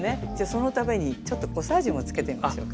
そのためにコサージュもつけてみましょうか。